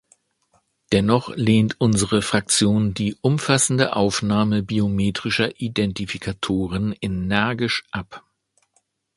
Dennoch lehnt unsere Fraktion die umfassende Aufnahme biometrischer Identifikatoren energisch ab.